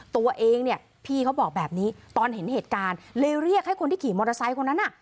ตัวเองเนี่ยพี่เขาบอกแบบนี้ตอนเห็นเหตุการณ์เลยเรียกให้คนที่ขี่มอเตอร์ไซค์คนนั้นน่ะ